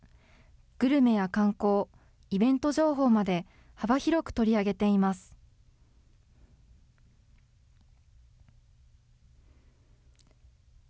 グルメや観光、イベント情報まで、幅広く取り上げています。